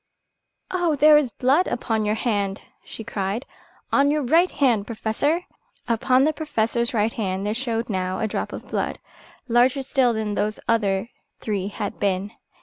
"Oh, there is blood upon your hand," she cried, "on your right hand, Professor!" Upon the Professor's right hand there showed now a drop of blood, larger still then those other three had been.